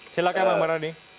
silahkan pak maroni